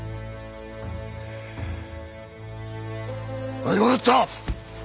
あい分かった！